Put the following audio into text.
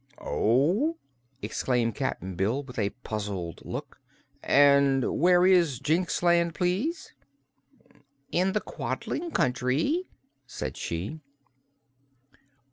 "Oh!" exclaimed Cap'n Bill, with a puzzled look. "And where is Jinxland, please?" "In the Quadling Country," said she.